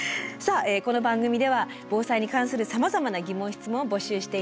さあこの番組では防災に関するさまざまな疑問・質問を募集しています。